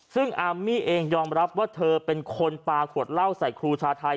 ซึ่งอาร์มี่เองยอมรับว่าเธอเป็นคนปลาขวดเหล้าใส่ครูชาไทย